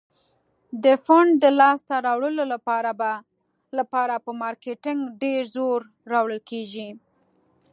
د فنډ د لاس ته راوړلو لپاره په مارکیټینګ ډیر زور راوړل کیږي.